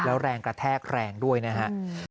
แล้วแรงกระแทกแรงด้วยนะครับ